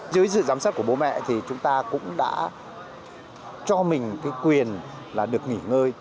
dưới sự giám sát của bố mẹ thì chúng ta cũng đã cho mình cái quyền là được nghỉ ngơi